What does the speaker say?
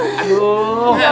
nggak usah pakde